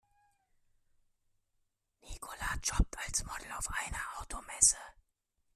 Nicola jobbt als Model auf einer Automesse.